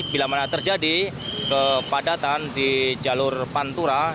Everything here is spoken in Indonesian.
bila mana terjadi kepadatan di jalur pantura